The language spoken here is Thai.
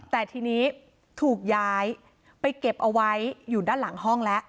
แต่ทีนี้ถูกย้ายไปเก็บเอาไว้อยู่ด้านหลังห้องแล้ว